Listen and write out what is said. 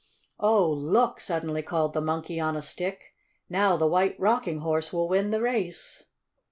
"Oh, look!" suddenly called the Monkey on a Stick. "Now the White Rocking Horse will win the race!"